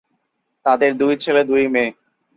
তাদের দুই ছেলে, দুই মেয়ে।